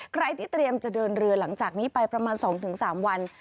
ใครที่เตรียมจะเดินเรือหลังจากนี้ไปประมาณ๒๓วัน